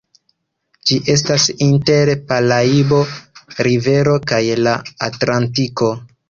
Ĝi estas inter Paraibo-rivero kaj la Atlantiko.